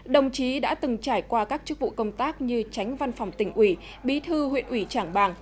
đồng chí đã từng trải qua các chức vụ công tác như tránh văn phòng tỉnh ủy bí thư huyện ủy trảng bàng